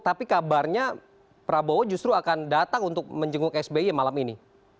tapi kabarnya prabowo justru akan datang untuk menjenguk sby malam ini